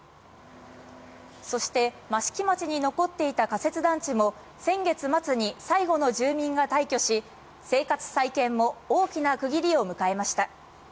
そして、益城町に残っていた仮設団地も、先月末に最後の住民が退去し、生活再建も大きな区切りを迎えました。